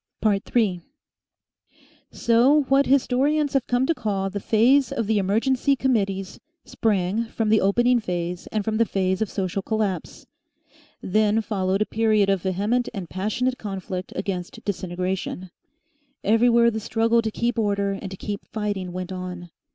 3 So what historians have come to call the Phase of the Emergency Committees sprang from the opening phase and from the phase of social collapse. Then followed a period of vehement and passionate conflict against disintegration; everywhere the struggle to keep order and to keep fighting went on.